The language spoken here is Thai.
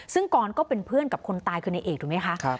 ซึ่งกรก็เป็นเพื่อนกับคนตายคือในเอกถูกไหมคะ